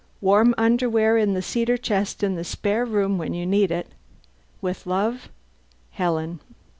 Warm underwear in the cedar chest in the spare room when you need it. With love, HELEN.